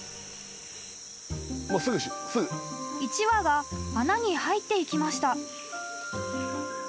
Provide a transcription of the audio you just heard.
［１羽は穴に入っていきました］